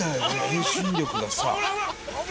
遠心力がさ。